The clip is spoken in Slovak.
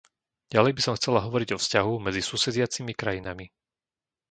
Ďalej by som chcela hovoriť o vzťahu medzi susediacimi krajinami.